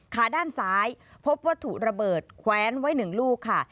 ขาด้านซ้ายพบวัตถุระเบิดแควนไว้๑ลูกค่ะ